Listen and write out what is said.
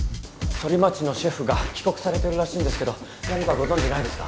ソリマチのシェフが帰国されてるらしいんですけど何かご存じないですか？